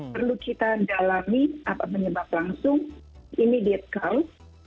perlu kita dalami apa penyebab langsung immediate cause